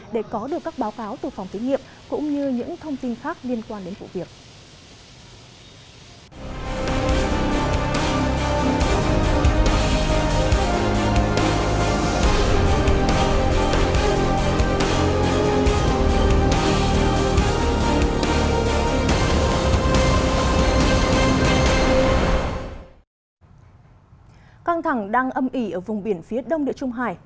để có được các báo cáo từ phòng thí nghiệm cũng như những thông tin khác liên quan đến vụ việc